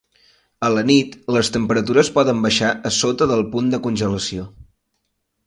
A la nit, les temperatures poden baixar a sota del punt de congelació.